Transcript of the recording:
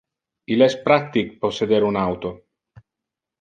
Il es practic posseder un auto.